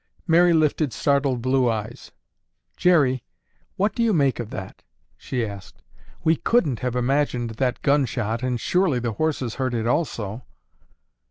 Mary lifted startled blue eyes. "Jerry, what do you make of that?" she asked. "We couldn't have imagined that gun shot and surely the horses heard it also."